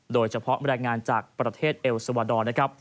โดยเฉพาะแบรนด์งานจากประเทศเอลซาวาดอร์